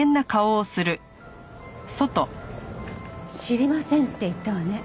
「知りません」って言ったわね。